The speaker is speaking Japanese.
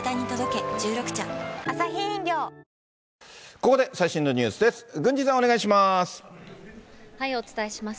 ここで最新のニュースです。